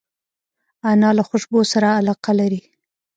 انا له خوشبو سره علاقه لري